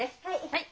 はい。